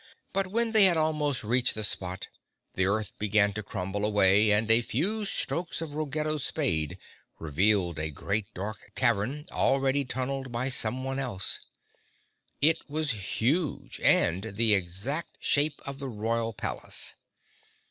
But when they had almost reached the spot, the earth began to crumble away, and a few strokes of Ruggedo's spade revealed a great dark cavern, already tunneled by someone else. It was huge and the exact shape of the royal palace.